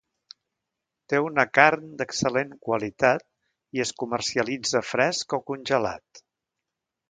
Té una carn d'excel·lent qualitat i es comercialitza fresc o congelat.